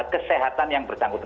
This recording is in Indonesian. kesehatan yang bersangkutan